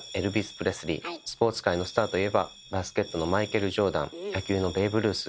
スポーツ界のスターといえばバスケットのマイケル・ジョーダン野球のベーブ・ルース。